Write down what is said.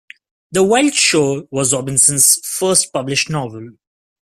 "The Wild Shore" was Robinson's first published novel.